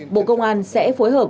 bộ công an sẽ phối hợp